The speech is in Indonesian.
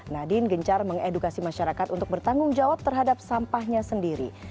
nadine gencar mengedukasi masyarakat untuk bertanggung jawab terhadap sampahnya sendiri